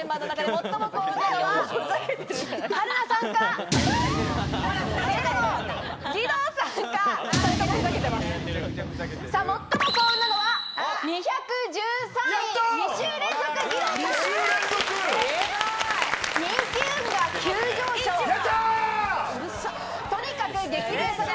最も幸運なのは、２１３位、２週連続、義堂さん。